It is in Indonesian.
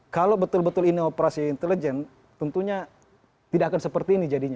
kalau betul betul ini operasi intelijen tentunya tidak akan seperti ini jadinya